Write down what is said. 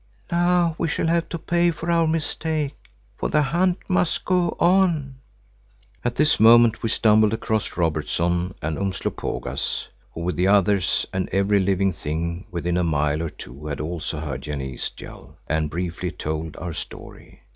"Now we shall have to pay for our mistake, for the hunt must go on." At this moment we stumbled across Robertson and Umslopogaas who, with the others, and every living thing within a mile or two had also heard Janee's yell, and briefly told our story.